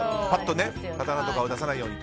刀とかを出さないようにと。